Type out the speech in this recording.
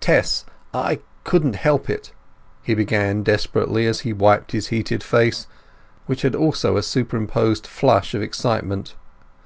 "Tess—I couldn't help it!" he began desperately, as he wiped his heated face, which had also a superimposed flush of excitement.